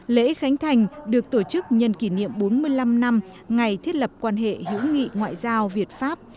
lễ khánh thành được tổ chức nhân kỷ niệm bốn mươi năm năm ngày thiết lập quan hệ hữu nghị ngoại giao việt pháp